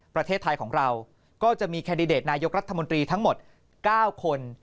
ประเทศไทยของเราก็จะมีแคนดิเดตนายกรัฐมนตรีทั้งหมด๙คน